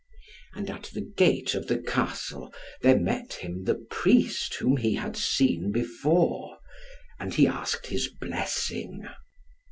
And at the gate of the castle there met him the priest whom he had seen before, and he asked his blessing.